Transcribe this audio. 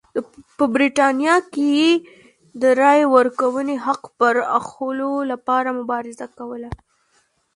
په برېټانیا کې یې د رایې ورکونې حق پراخولو لپاره مبارزه کوله.